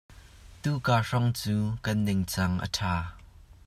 Tukar hrawng cu kan ningcang a ṭha.